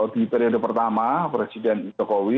di periode pertama presiden jokowi